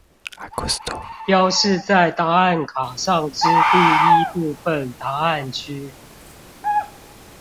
標示在答案卡上之第一部分答案區